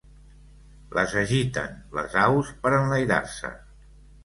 Les agiten les aus per enlairar-se.